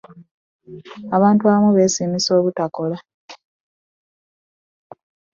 abantu abamu beesimisa obutakola.